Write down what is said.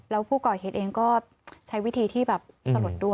แล้วผู้ก่อเหตุเองก็ใช้วิธีที่แบบสลดด้วย